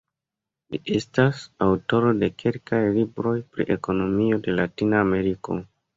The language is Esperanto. Li estas aŭtoro de kelkaj libroj pri ekonomio de Latina Ameriko.